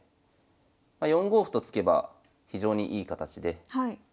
ま４五歩と突けば非常にいい形で。